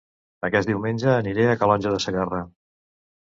Aquest diumenge aniré a Calonge de Segarra